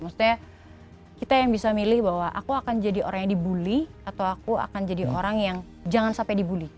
maksudnya kita yang bisa milih bahwa aku akan jadi orang yang dibully atau aku akan jadi orang yang jangan sampai dibully